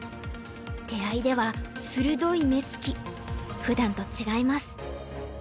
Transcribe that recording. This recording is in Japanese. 手合では鋭い目つきふだんと違います。